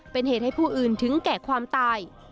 เป็นเหตุให้ผู้อื่นถึงแก่ความตาย